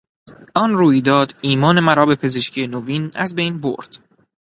آن رویداد ایمان مرا به پزشکی نوین از بین برد.